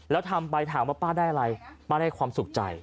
แล้วทำไปถามว่าป้าได้อะไรป้าได้ความสุขใจ